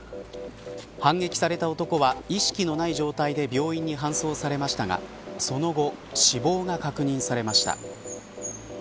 反撃された男は意識のない状態で病院に搬送されましたがその後、死亡が確認されました。